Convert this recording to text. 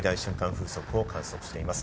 風速を観測しています。